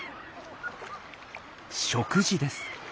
食事です。